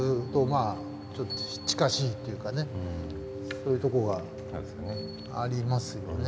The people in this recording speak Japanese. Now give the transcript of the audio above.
そういうところがありますよね。